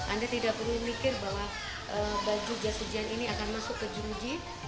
anda tidak perlu mikir bahwa baju gas hujan ini akan masuk ke jeruji